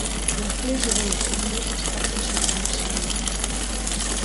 L'església de Les Irles està consagrada a Sant Antoni.